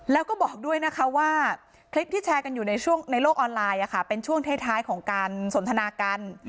แล้วก็บอกด้วยนะคะว่าคลิปที่แชร์กันอยู่ในช่วงในโลกออนไลน์เป็นช่วงท้ายของการสนทนากัน